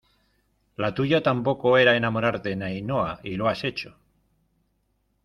la tuya tampoco era enamorarte de Ainhoa y lo has hecho.